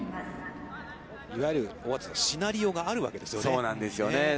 いわゆる大畑さん、シナリオが、あるわけなんですよね。